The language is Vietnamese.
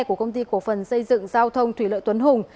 của công ty cổ phần xây dựng giao thông thủy lợi tuấn hùng